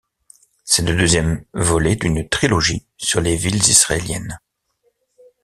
C'est le deuxième volet d'une trilogie sur les villes israéliennes.